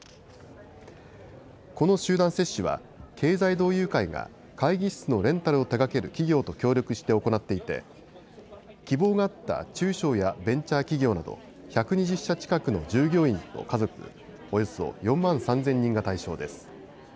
この集団接種は経済同友会が会議室のレンタルを手がける企業と協力して行っていて希望があった中小やベンチャー企業など１２０社近くの従業員と家族、およそ４万３０００人が対象です。